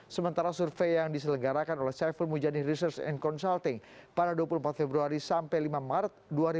sementara survei yang diselenggarakan oleh saiful mujani research and consulting pada dua puluh empat februari sampai lima maret dua ribu dua puluh